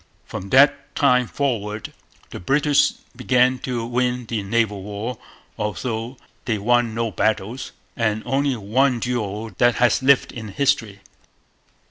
From that time forward the British began to win the naval war, although they won no battles and only one duel that has lived in history.